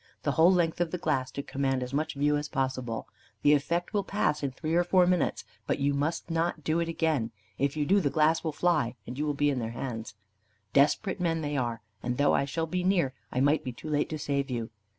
"The whole length of the glass, to command as much view as possible. The effect will pass in three or four minutes, but you must not do it again. If you do, the glass will fly, and you will be in their hands. Desperate men they are, and though I shall be near, I might be too late to save you.